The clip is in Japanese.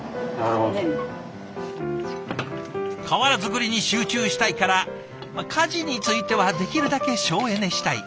瓦作りに集中したいから家事についてはできるだけ省エネしたい。